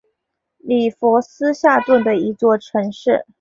里弗顿下属的一座城市。